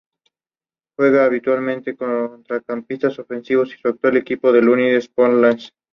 Cuando volvió a Cataluña, estuvo vigilada de cerca por la policía franquista.